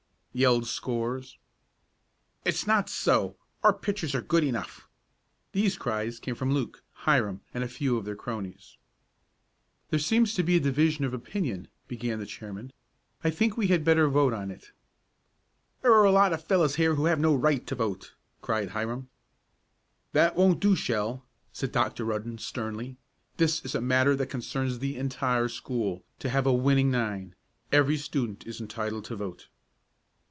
yelled scores. "It's not so! Our pitchers are good enough!" These cries came from Luke, Hiram and a few of their cronies. "There seems to be a division of opinion," began the chairman. "I think we had better vote on it." "There are a lot of fellows here who have no right to vote!" cried Hiram. "That won't do, Shell," said Dr. Rudden sternly. "This is a matter that concerns the entire school to have a winning nine. Every student is entitled to vote."